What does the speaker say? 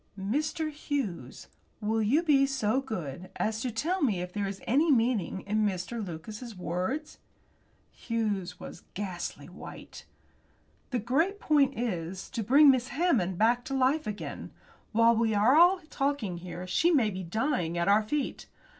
"Mr. Hughes, will you be so good as to tell me if there is any meaning in Mr. Lucas's words?" Hughes was ghastly white. "The great point is to bring Miss Hammond back to life again. While we are talking here she may be dying at our feet.